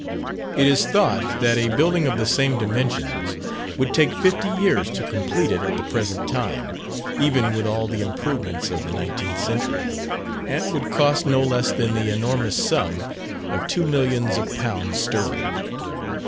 It is thought that a building of the same dimensions would take fifty years to complete it at the present time, even with all the improvements of the nineteenth century, and would cost no less than the enormous sum of two millions of pounds sterling.